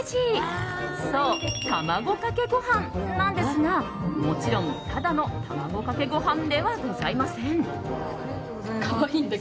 そう、卵かけご飯なんですがもちろん、ただの卵かけご飯ではございません。